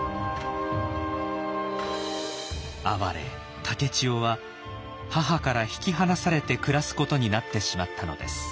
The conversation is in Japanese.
哀れ竹千代は母から引き離されて暮らすことになってしまったのです。